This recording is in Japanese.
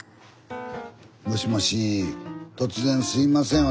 もしもしすいません。